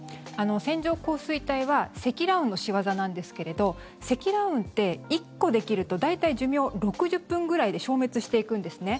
線状降水帯は積乱雲の仕業なんですけれど積乱雲って１個できると大体、寿命６０分くらいで消滅していくんですね。